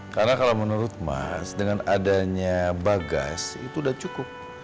karena kalau menurut mas dengan adanya bagas itu udah cukup